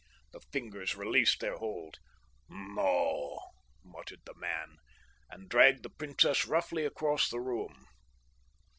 The fingers released their hold. "No," muttered the man, and dragged the princess roughly across the room.